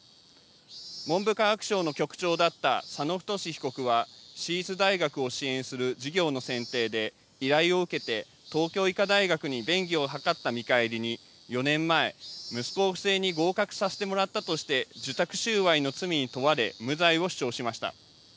文部科学省の局長だった佐野太被告は私立大学を支援する事業の選定で依頼を受けて東京医科大学に便宜を図った見返りに４年前、息子を不正に合格させてもらったとして受託収賄の罪に問われ無罪を主張しました。